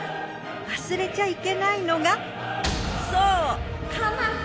忘れちゃいけないのがそう。